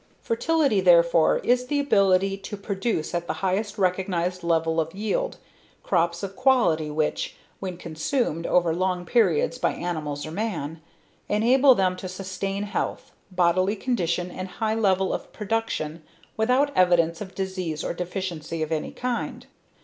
Fertility therefore, is the ability to produce at the highest recognized level of yield, crops of quality which, when consumed over long periods by animals or man, enable them to sustain health, bodily condition and high level of production without evidence of disease or deficiency of any kind.